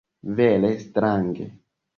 Vere strange.